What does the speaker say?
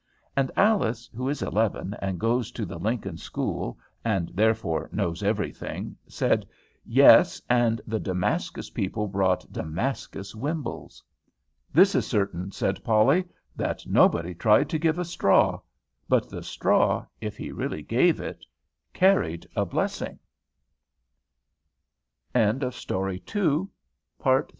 And Alice, who is eleven, and goes to the Lincoln School, and therefore knows every thing, said, "Yes, and the Damascus people brought Damascus wimbles." "This is certain," said Polly, "that nobody tried to give a straw, but the straw, if he really gave it, carried a blessing." ALICE'S CHRISTMAS TREE. CHAPT